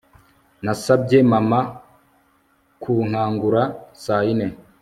Nasabye mama kunkangura saa yine